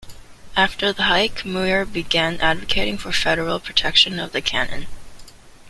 After the hike, Muir began advocating for federal protection of the canyon.